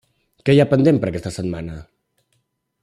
Què hi ha pendent per a aquesta setmana?